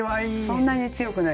そんなに強くないでしょ。